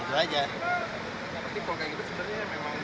ya tapi kok kayak gitu sepertinya memang